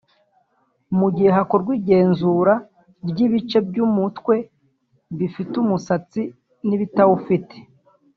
Mu gihe hakorwaga igenzura ry’ibice by’umutwe bifite umusatsi n’ibitawufite